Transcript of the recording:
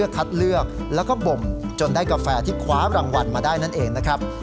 คัดเลือกแล้วก็บ่มจนได้กาแฟที่คว้ารางวัลมาได้นั่นเองนะครับ